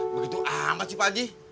begitu amat sih pak ji